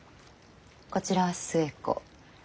こちらは寿恵子。